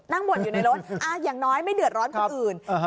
บ่นอยู่ในรถอย่างน้อยไม่เดือดร้อนคนอื่น